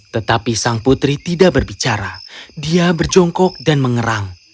tetapi sang putri tidak berbicara dia berjongkok dan mengerang